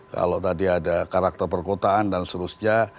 kalau tadi ada karakter perkotaan dan seterusnya